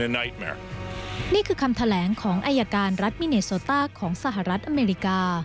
นี่คือคำแถลงของอายการรัฐมิเนโซต้าของสหรัฐอเมริกา